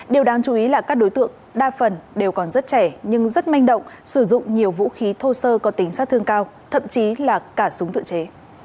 điều đáng chú ý là các đối tượng đa phần đều còn rất trẻ nhưng rất manh động sử dụng nhiều vũ khí thô sơ có tính sát thương cao thậm chí là cả súng tự chế